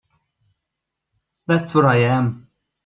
That's what I am.